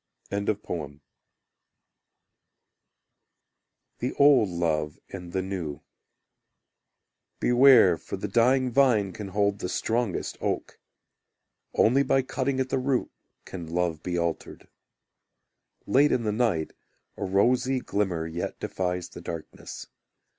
The Old Love and the New Beware, for the dying vine can hold The strongest oak. Only by cutting at the root Can love be altered. Late in the night A rosy glimmer yet defies the darkness.